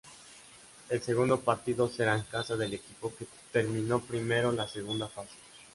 El segundo partido será en casa del equipo que terminó primero la Segunda Fase.